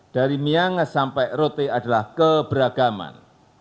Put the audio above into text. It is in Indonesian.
dari miangas sampai rote adalah keberagaman